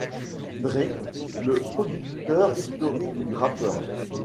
Dre, le producteur historique du rappeur.